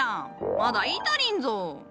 まだ言い足りんぞ！